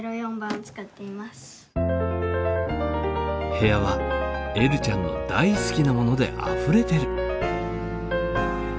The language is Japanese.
部屋はえるちゃんの大好きなものであふれてる。